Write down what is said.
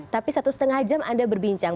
tapi satu setengah jam anda berbincang